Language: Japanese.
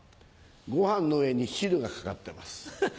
ご飯の上に汁がかかってます。